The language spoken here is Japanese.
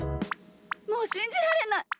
もうしんじられない！